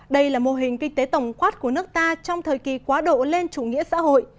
đây là mô hình kinh tế tổng quát của nước ta trong thời kỳ quá độ lên chủ nghĩa xã hội